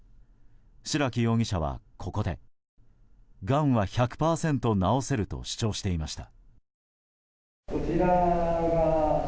白木容疑者はここでがんは１００％治せると主張していました。